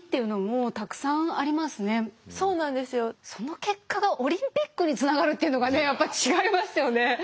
その結果がオリンピックにつながるっていうのがねやっぱ違いますよね。